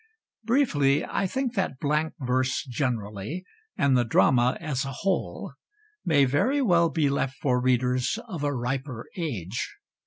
Briefly, I think that blank verse generally, and the drama as a whole, may very well be left for readers of a riper age.